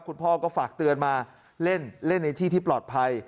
คุณพ่อก็ฝากเตือนมาเล่นเล่นในที่ที่ปลอดภัย